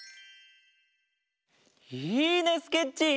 いいねスケッチー！